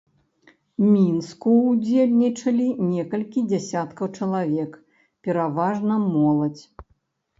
Мінску ўдзельнічалі некалькі дзесяткаў чалавек, пераважна моладзь.